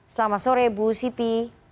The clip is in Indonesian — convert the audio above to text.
selamat sore bu siti